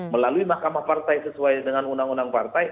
melalui mahkamah partai sesuai dengan undang undang partai